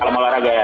salam olahraga ya